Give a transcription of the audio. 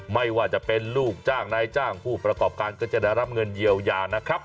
ไม่ว่าจะเป็นลูกจ้างนายจ้างผู้ประกอบการก็จะได้รับเงินเยียวยานะครับ